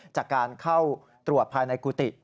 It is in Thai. จากการเข้าตรวจภายในกุฏิ